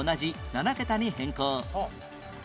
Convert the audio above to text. ７桁に変更